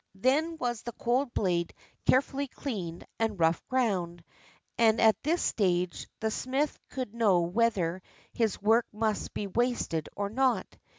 Then was the cold blade carefully cleaned and rough ground, and at this stage the smith could know whether his work must be wasted or not.